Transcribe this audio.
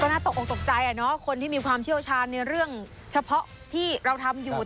น่าตกออกตกใจคนที่มีความเชี่ยวชาญในเรื่องเฉพาะที่เราทำอยู่